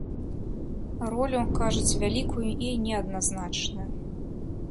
Ролю, кажуць, вялікую і неадназначную.